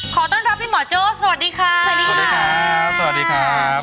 ขอต้อนรับพี่หมอโจ้สวัสดีครับ